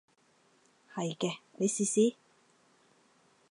係嘅，你試試